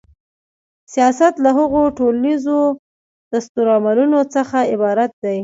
سیاست له هغو ټولیزو دستورالعملونو څخه عبارت دی.